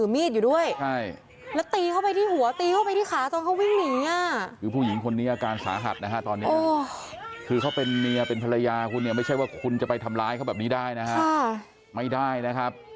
มีเราเป็นเวรายาคนกับไม่ใช่ว่าคุณจะไปทำร้ายเขาแบบนี้ได้นะฮะไม่ได้นะครับ